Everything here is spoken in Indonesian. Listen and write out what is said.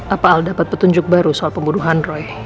apa al dapat petunjuk baru soal pembunuhan roy